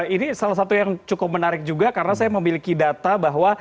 ini salah satu yang cukup menarik juga karena saya memiliki data bahwa